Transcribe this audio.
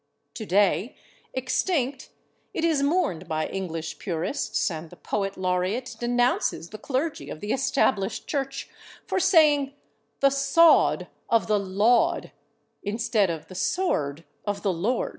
Today, extinct, it is mourned by English purists, and the Poet Laureate denounces the clergy of the Established Church for saying "the /sawed/ of the /Laud/" instead of "the sword of the Lord."